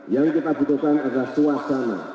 yang kita butuhkan adalah suasana